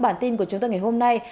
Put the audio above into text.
bản tin của chúng tôi ngày hôm nay